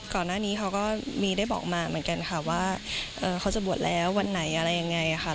ก่อนหน้านี้เขาก็มีได้บอกมาเหมือนกันค่ะว่าเขาจะบวชแล้ววันไหนอะไรยังไงค่ะ